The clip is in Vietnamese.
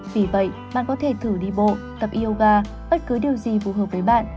vì vậy bạn có thể thử đi bộ tập yoga bất cứ điều gì phù hợp với bạn